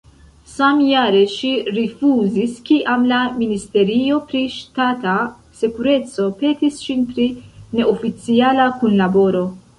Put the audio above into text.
Samjare ŝi rifuzis, kiam la ministerio pri ŝtata sekureco petis ŝin pri neoficiala kunlaboro.